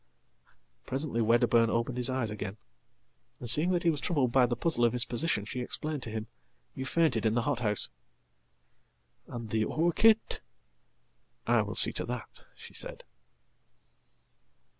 "Presently Wedderburn opened his eyes again, and, seeing that he wastroubled by the puzzle of his position, she explained to him, "You faintedin the hothouse.""And the orchid?""I will see to that," she said.